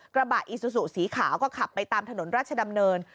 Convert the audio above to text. กระบะอีซูซูสีขาวก็ขับไปตามถนนราชดำเนิน